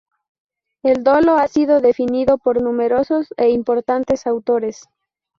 El dolo ha sido definido por numerosos e importantes autores.